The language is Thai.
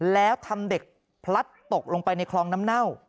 แล้วทำเด็กพลัดตกลงไปในคลองน้ำเน่า